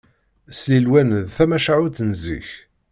Slilwan d tamacahut n zik